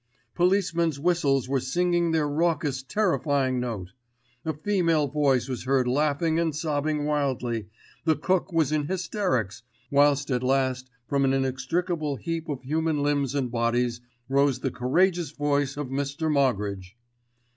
Policemen's whistles were singing their raucous, terrifying note. A female voice was heard laughing and sobbing wildly—the cook was in hysterics, whilst at last from an inextricable heap of human limbs and bodies rose the courageous voice of Mr. Moggridge.